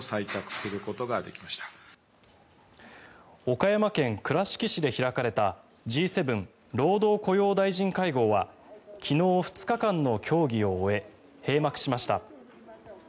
岡山県倉敷市で開かれたＧ７労働雇用大臣会合は昨日、２日間の協議を終え閉幕しました。